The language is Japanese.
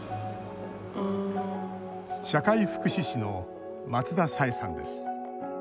社会福祉士の松田彩絵さんです。